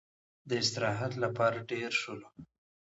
د استراحت لپاره دېره شولو.